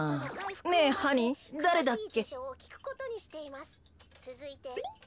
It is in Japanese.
ねえハニーだれだっけ？